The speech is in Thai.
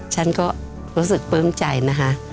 ฉันก็รู้สึกปลื้มใจนะคะ